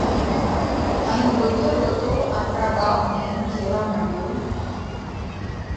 ان روتو روتو آپرا ٻاپ نئہ نئہ ڪيوا مڏيو: